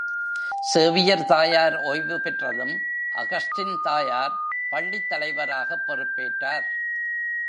Xavier தாயார் ஓய்வு பெற்றதும், அகஸ்டின் தாயார் பள்ளித் தலைவராகப் பொறுப்பேற்றார்.